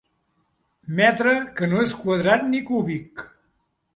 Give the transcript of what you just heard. Metre que no és quadrat ni cúbic.